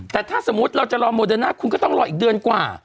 แต่ถ้าสมมุติเราจะรอโมเดิร์น่าคุณก็ต้องรออีกเดือนกว่า